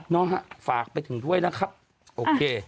นะฮะฝากไปถึงด้วยนะครับโอเค